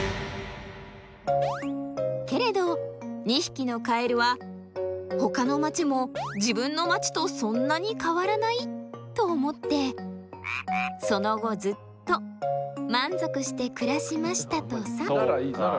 けれど２匹のカエルは他の町も自分の町とそんなに変わらないと思ってその後ずっと満足して暮らしましたとさ。